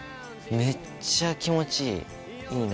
めっちゃ気持ちいいいいな。